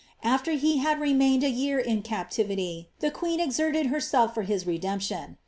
After he had remained a year in ity, the queen exerted herself for his redemption.